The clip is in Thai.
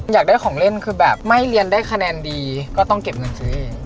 อยากได้ของเล่นคือแบบไม่เรียนได้คะแนนดีก็ต้องเก็บเงินซื้อเอง